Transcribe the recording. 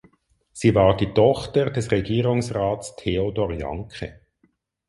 Sie war die Tochter des Regierungsrats Theodor Janke.